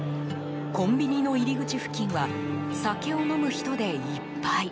コンビニの入り口付近は酒を飲む人でいっぱい。